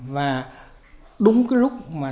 và đúng cái lúc mà